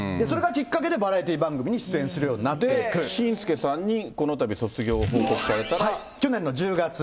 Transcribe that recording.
それがきっかけでバラエティー番組に出演するようになってい紳助さんにこのたび卒業を報去年の１０月。